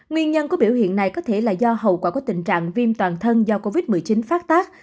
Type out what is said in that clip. nguyên nhân của biểu hiện này có thể là do hậu quả của tình trạng viêm toàn thân do covid một mươi chín phát tác